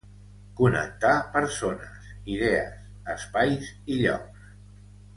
Connectar persones, idees, espais i llocs.